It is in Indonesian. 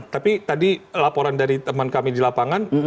tapi tadi laporan dari teman kami di lapangan